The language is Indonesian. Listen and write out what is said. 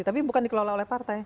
tapi bukan dikelola oleh partai